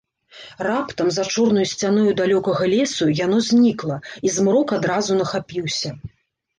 Раптам за чорнай сцяною далёкага лесу яно знікла, і змрок адразу нахапіўся.